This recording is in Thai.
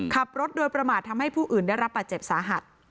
ขับรถโดยประมาททำให้ผู้อื่นได้รับบาดเจ็บสาหัส